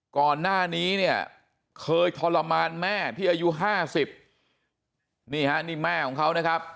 ก่อนหน้านี้เนี่ยเคยทรมานแม่ที่อายุ๕๐นี่ฮะนี่แม่ของเขานะครับ